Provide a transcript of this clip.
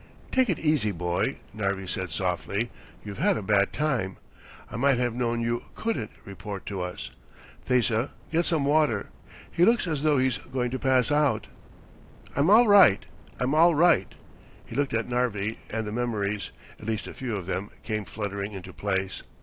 "Take it easy, boy," Narvi said softly. "You've had a bad time. I might have known you couldn't report to us. Thesa, get some water! He looks as though he's going to pass out!" "I'm all right, I'm all right." He looked at Narvi and the memories, at least a few of them, came fluttering into place.